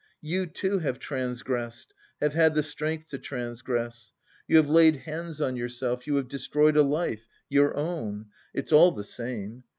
You, too, have transgressed... have had the strength to transgress. You have laid hands on yourself, you have destroyed a life... your own (it's all the same!).